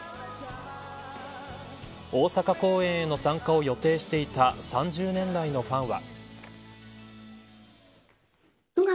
大阪公演への参加を予定していた３０年来のファンは。